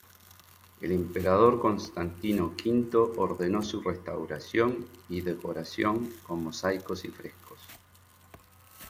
El emperador Constantino V ordenó su restauración y decoración con mosaicos y frescos.